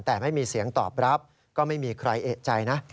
แต่ไม่มีเสียงตอบรับก็ไม่มีใครเอกใจนะ